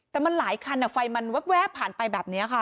แต่มันหลายคันไฟมันแว๊บผ่านไปแบบนี้ค่ะ